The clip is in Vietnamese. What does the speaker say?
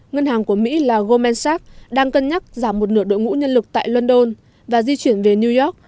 ngân hàng của mỹ là gomensak đang cân nhắc giảm một nửa đội ngũ nhân lực tại london và di chuyển về new york